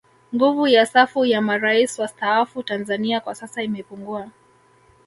Nguvu ya safu ya Marais wastaafu Tanzania kwa sasa imepungua